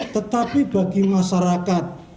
tetapi bagi masyarakat